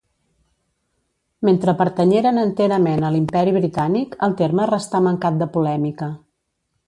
Mentre pertanyeren enterament a l'Imperi Britànic el terme restà mancat de polèmica.